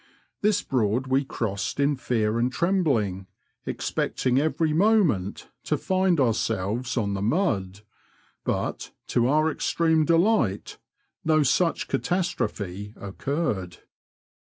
This Broad we crossed in fear and trembling, expecting every moment to find ourselves on the mud, but, to our extreme delight, no such catastrophe occurred.